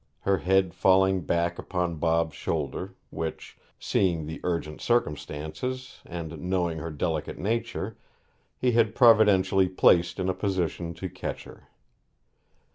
her head falling back upon Bob's shoulder, which seeing the urgent circumstances, and knowing her delicate nature he had providentially placed in a position to catch her.